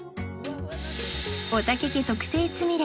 おたけ家特製つみれ